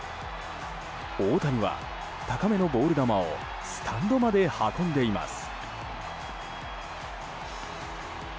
大谷は高めのボール球をスタンドまで運んでいます。